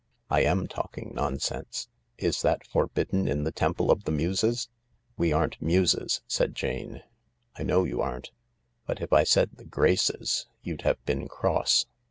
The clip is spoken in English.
I am talking nonsense. Is that forbidden in the Temple of the Muses ?" "We aren't Muses," said Jane. " I know you aren't. But if I said the Graces you'd have been cross."